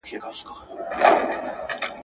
زه سجدې ته وم راغلی تا پخپله یم شړلی.